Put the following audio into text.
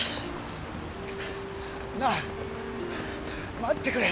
なあ待ってくれよ